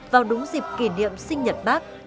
vào đúng dịp kỷ niệm sinh nhật bắc